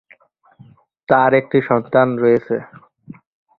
তার একটি সন্তান রয়েছে।